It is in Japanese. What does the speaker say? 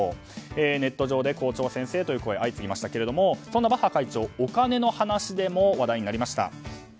ネット上で校長先生という声が相次ぎましたけれどもそんなバッハ会長、お金の話でも話題になりました。